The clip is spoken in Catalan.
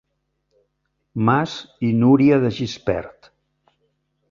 Mas i Núria de Gispert.